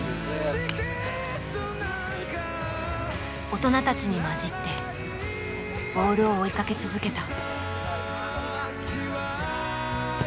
大人たちに交じってボールを追いかけ続けた。